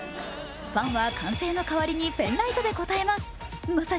ファンは歓声の代わりにペンライトで応えます。